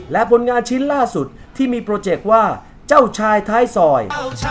และผลงานชิ้นล่าสุดที่มีโปรเจคว่าเจ้าชายท้ายซอย